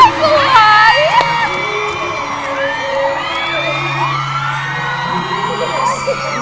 ได้ยินเสียงคนกรี๊ดไหม